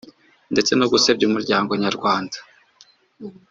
ndetse no gusebya Umuryango Nyarwanda